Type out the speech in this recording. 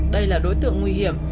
đây là đối tượng nguy hiểm